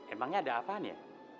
emangnya ada apaan ya